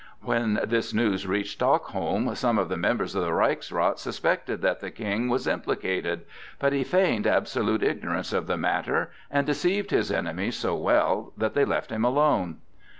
When this news reached Stockholm, some of the members of the Reichsrath suspected that the King was implicated, but he feigned absolute ignorance of the matter, and deceived his enemies so well that they left him alone.